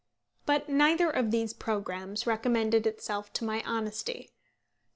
But neither of these programmes recommended itself to my honesty.